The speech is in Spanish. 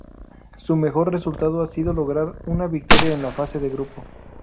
Su mejor resultado ha sido lograr una victoria en la fase de grupo.